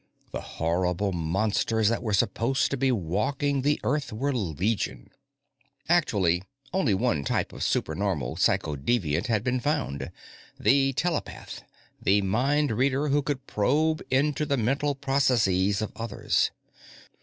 The horrible monsters that were supposed to be walking the Earth were legion. Actually, only one type of supernormal psychodeviant had been found the telepath, the mindreader who could probe into the mental processes of others.